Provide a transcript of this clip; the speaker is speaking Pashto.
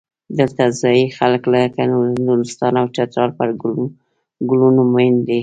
دلته ځايي خلک لکه د نورستان او چترال پر ګلونو مین دي.